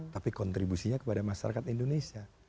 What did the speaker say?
tapi kontribusinya kepada masyarakat indonesia